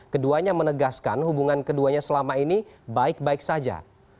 keduanya menegaskan hubungan keduanya selama ini baik baik saja